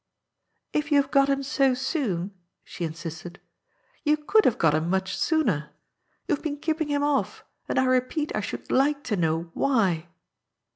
If you have got him so soon," she insisted, " you could have got him much sooner. You have been keeping him off, and I repeat I should like to know why."